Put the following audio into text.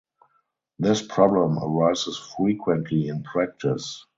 This problem arises frequently in practice.